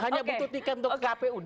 hanya butuh tiket untuk kpu